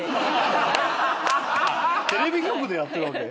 テレビ局でやってるわけ？